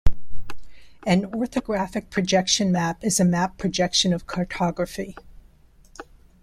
An orthographic projection map is a map projection of cartography.